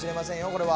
これは。